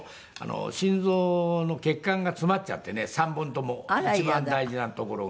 心臓の血管が詰まっちゃってね３本とも一番大事な所が。